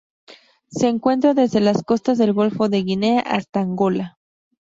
Se encuentra desde las costas del Golfo de Guinea hasta Angola.